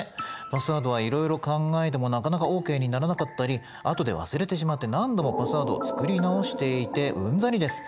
パスワードはいろいろ考えてもなかなかＯＫにならなかったりあとで忘れてしまって何度もパスワードを作り直していてうんざりです。